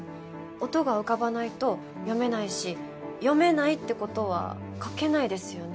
音が浮かばないと読めないし読めないって事は書けないですよね。